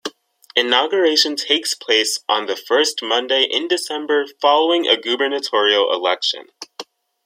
Inauguration takes place on the first Monday in December following a gubernatorial election.